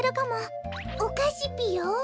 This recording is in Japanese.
おかしぴよ？